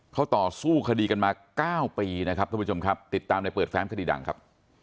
เขาต่อสู้คดีกันมา๙ปีนะครับทุกผู้ชมครับติดตามในเปิดแฟ้มคดีดังครับ